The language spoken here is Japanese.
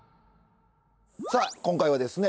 さあ今回はですね